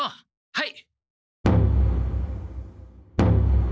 はい！